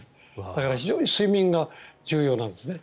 だから、非常に睡眠が重要なんですね。